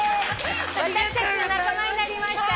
私たちの仲間になりました。